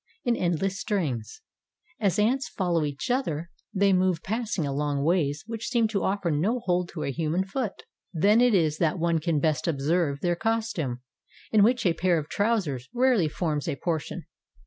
In endless strings, as ants follow each other, they move, passing along ways which seem to offer no hold to a human foot. Then it is that one can best observe their costume, in which a pair of trousers rarely forms a por tion.